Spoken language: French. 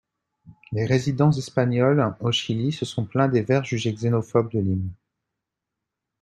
Les résidents espagnols au Chili se sont plaints des vers jugés xénophobes de l'hymne.